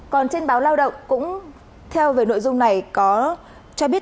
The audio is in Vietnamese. còn trên báo lao động cũng theo về nội dung này có cho biết